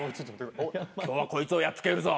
今日はこいつをやっつけるぞ。